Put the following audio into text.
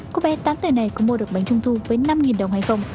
cô bé tám tờ này có mua được bánh trung thu với năm đồng hay không